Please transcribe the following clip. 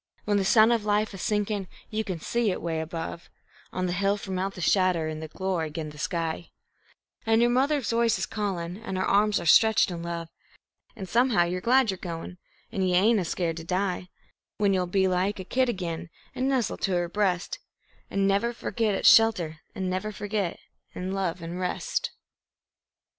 When the sun of life's a sinkin' you can see it 'way above, On the hill from out the shadder in a glory 'gin the sky, An' your mother's voice is callin', an' her arms are stretched in love, An' somehow you're glad you're goin', an' you ain't a scared to die; When you'll be like a kid again an' nestle to her breast, An' never leave its shelter, an' forget, an' love, an' rest.